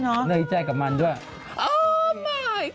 เหนื่อยใจกับมันด้วย